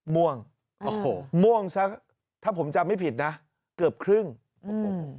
ม่วงโอ้โหม่วงซะถ้าผมจำไม่ผิดนะเกือบครึ่งโอ้โห